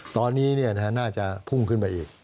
ตอนนี้น่าจะพุ่งขึ้นไปอีก